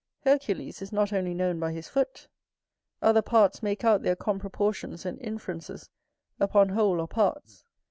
Hercules is not only known by his foot. Other parts make out their comproportions and inferences upon whole or parts.